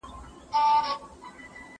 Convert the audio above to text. زه سبا ته فکر کړی دی!!